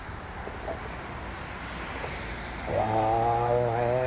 うわうまいね。